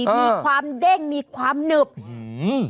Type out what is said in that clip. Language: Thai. มีความเด้งมีความหนึบอืม